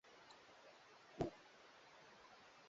Vyakula vyao na majengo ni utalii tosha